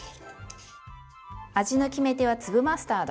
味の決め手は粒マスタード。